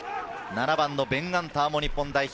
７番、ベン・ガンターも日本代表。